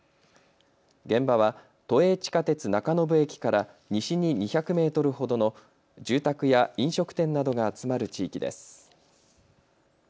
現場は都営地下鉄中延駅から西に２００メートルほどの住宅や飲食店などが集まる地域です。